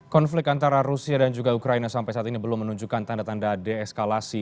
konflik antara rusia dan juga ukraina sampai saat ini belum menunjukkan tanda tanda deeskalasi